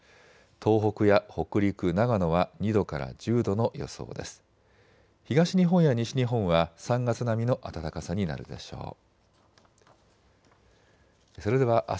東北や北陸、長野は２度から１０度の予想です。